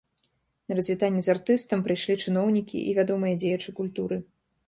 На развітанне з артыстам прыйшлі чыноўнікі і вядомыя дзеячы культуры.